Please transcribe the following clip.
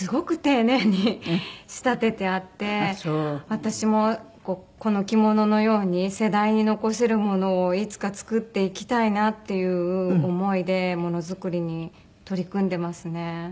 私もこの着物のように世代に残せるものをいつか作っていきたいなっていう思いでものづくりに取り組んでますね。